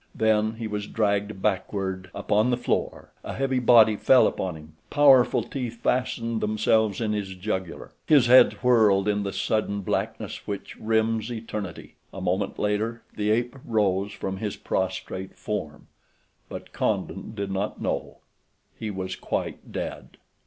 Then he was dragged backward upon the floor, a heavy body fell upon him, powerful teeth fastened themselves in his jugular, his head whirled in the sudden blackness which rims eternity—a moment later the ape rose from his prostrate form; but Condon did not know—he was quite dead.